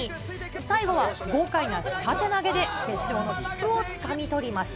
最後は豪快な下手投げで決勝の切符をつかみ取りました。